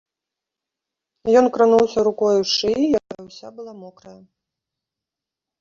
Ён крануўся рукою шыі, якая ўся была мокрая.